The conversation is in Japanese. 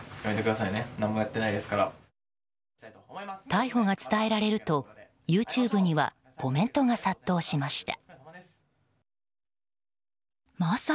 逮捕が伝えられるとＹｏｕＴｕｂｅにはコメントが殺到しました。